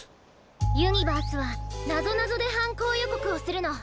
ユニバースはなぞなぞではんこうよこくをするの。